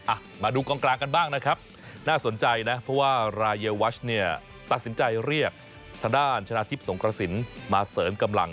อ่ะมาดูกองกลางกันบ้างนะครับน่าสนใจนะเพราะว่ารายวัชเนี่ยตัดสินใจเรียกทางด้านชนะทิพย์สงกระสินมาเสริมกำลัง